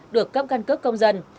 được cấp căn cướp công dân